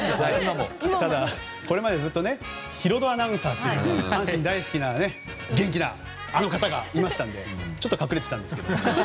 ただ、これまでずっとヒロドアナウンサーという阪神が大好きな元気なあの方がいましたのでちょっと隠れていたんですけど。